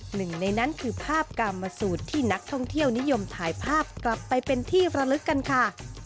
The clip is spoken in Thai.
หนึ่งในนั้นคือภาพกรรมสูตรที่นักท่องเที่ยวนิยมถ่ายภาพกลับไปเป็นที่ระลึกกันค่ะ